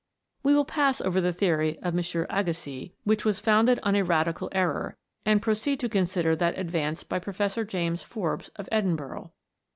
We will pass over the theory of M. Agassiz, which was founded on a radical error, and proceed to con sider that advanced by Professor James Forbes of Edinburgh.